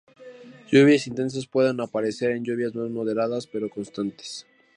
Lluvias intensas pueden aparecer en lluvias más moderadas pero constantes.